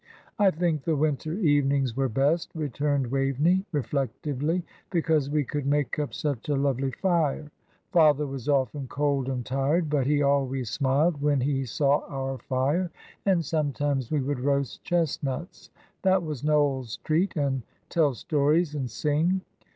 "I think the winter evenings were best," returned Waveney, reflectively, "because we could make up such a lovely fire. Father was often cold and tired, but he always smiled when he saw our fire, and sometimes we would roast chestnuts that was Noel's treat and tell stories, and sing.